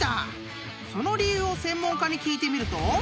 ［その理由を専門家に聞いてみると］